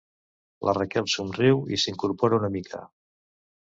La Raquel somriu i s'incorpora una mica.